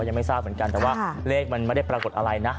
ยังไม่ทราบเหมือนกันแต่ว่าเลขมันไม่ได้ปรากฏอะไรนะ